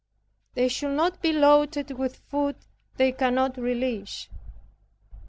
They should not be loaded with food they cannot relish.